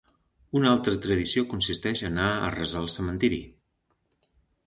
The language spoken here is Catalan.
Una altra tradició consisteix a anar a resar al cementiri.